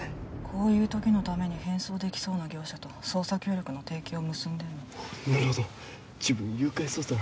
こういう時のために変装できそうな業者と捜査協力の提携を結んでんのなるほど自分誘拐捜査